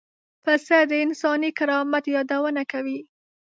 پسه د انساني کرامت یادونه کوي.